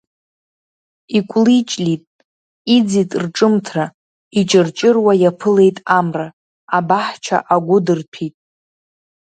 Икәлиҷлит, иӡит рҿымҭра, иҷырҷыруа иаԥылеит амра, абаҳчара агәы дырҭәит.